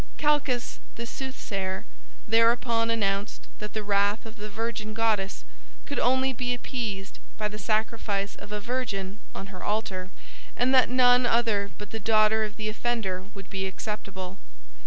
Calchas, the soothsayer, thereupon announced that the wrath of the virgin goddess could only be appeased by the sacrifice of a virgin on her altar, and that none other but the daughter of the offender would be acceptable.